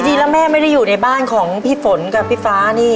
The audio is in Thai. จริงแล้วแม่ไม่ได้อยู่ในบ้านของพี่ฝนกับพี่ฟ้านี่